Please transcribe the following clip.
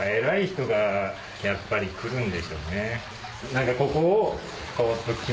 何かここを。